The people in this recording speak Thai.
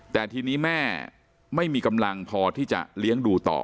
แต่ทีนี้แม่ไม่มีกำลังพอที่จะเลี้ยงดูต่อ